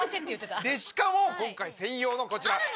でしかも今回専用のこちら。